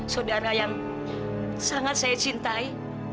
saudara yang sangat saya cintai